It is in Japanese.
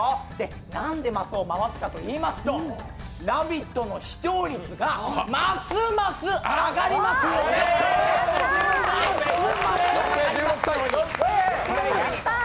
なんでますを回すかといいますと「ラヴィット！」の視聴率がますます上がりますように！